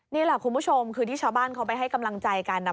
นี่แหละคุณผู้ชมคือที่ชาวบ้านเขาไปให้กำลังใจกันนะ